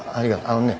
あのね。